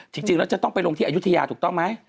จริงแล้วจะต้องไปลงที่อายุทยาถูกต้องไหม